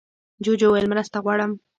جوجو وویل مرسته غواړم.